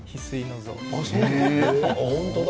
本当だ。